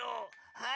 はい。